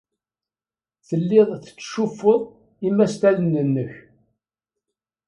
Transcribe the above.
Telliḍ tettcuffuḍ imastalen-nnek.